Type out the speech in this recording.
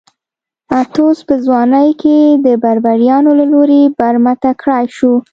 اتیوس په ځوانۍ کې د بربریانو له لوري برمته کړای شو